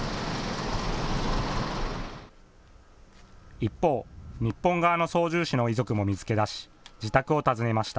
一方、日本側の操縦士の遺族も見つけ出し、自宅を訪ねました。